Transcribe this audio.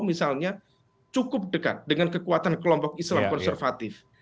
misalnya cukup dekat dengan kekuatan kelompok islam konservatif